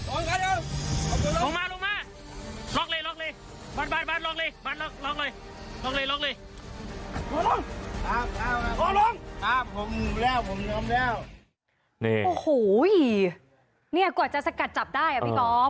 โอ้โหยเนี่ยกว่าจะสกัดจับได้อ่ะ